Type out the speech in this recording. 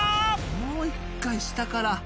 もう１回下から。